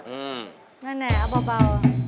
แนวแนวเอาเบา